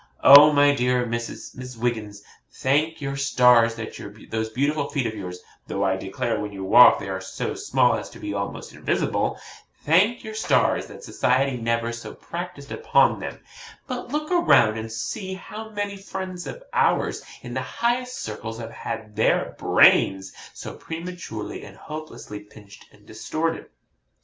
Oh, my dear Miss Wiggins, thank your stars that those beautiful feet of yours though I declare when you walk they are so small as to be almost invisible thank your stars that society never so practised upon them; but look around and see how many friends of ours in the highest circles have had their BRAINS so prematurely and hopelessly pinched and distorted.